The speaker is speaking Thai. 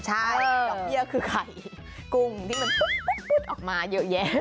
ใช่ดอกเบี้ยคือไข่กุ้งที่มันออกมาเยอะแยะ